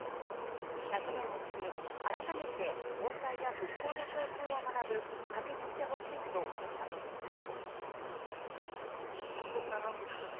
１００年を機に、改めて防災や復興の教訓を学ぶきっかけにしてほしいと呼びかけています。